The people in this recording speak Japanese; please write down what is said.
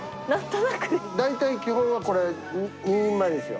大体基本はこれ、２人前ですよ。